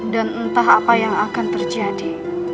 dan entah apa yang akan terjadi